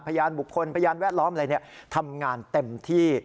พยานบุคคลพยานแวดล้อมอะไรทำงานเต็มที่